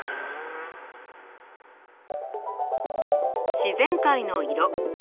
自然界の色。